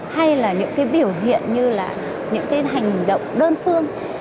hay là những cái biểu hiện như là những cái hành động đơn phương